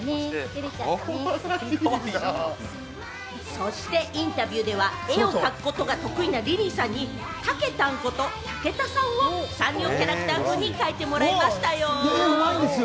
そしてインタビューでは、絵を描くことが得意なリリーさんに、たけたんこと武田さんをサンリオキャラクター風に描いてもらいましたよ。